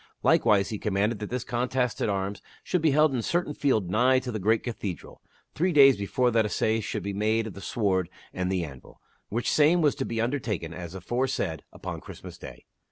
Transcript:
Like wise he commanded that this contest at arms should be held in a certain The Archbish ^ e ^"^ to the great cathedral, three days before that assay op declares a should be made of the sword and the anvil (which same was tournament. to be unc ]ertaken, as aforesaid, upon Christmas day).